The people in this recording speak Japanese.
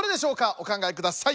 お考えください。